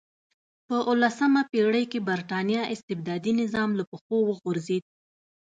په اولسمه پېړۍ کې برېټانیا استبدادي نظام له پښو وغورځېد.